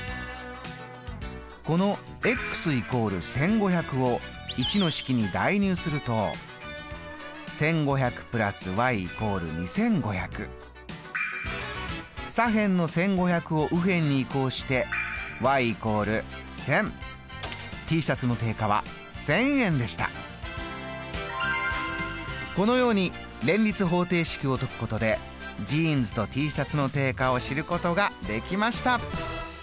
この＝１５００を１の式に代入すると左辺の１５００を右辺に移項してこのように連立方程式を解くことでジーンズとＴシャツの定価を知ることができました。